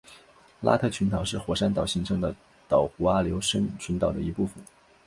拉特群岛是火山岛形成的岛弧阿留申群岛的一部分。